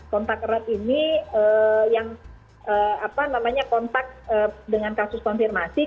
kontak erat ini yang kontak dengan kasus konfirmasi